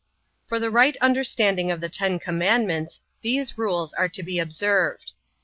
For the right understanding of the Ten Commandments, these rules are to be observed: 1.